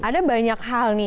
ada banyak hal nih